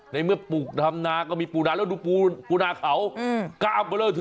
ในเมื่อปลูกกลำมหนาก็มีปูนาแล้วดูปูนาเขากล้ามเบลอเถอะ